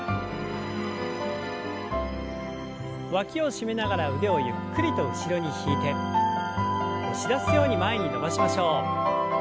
わきを締めながら腕をゆっくりと後ろに引いて押し出すように前に伸ばしましょう。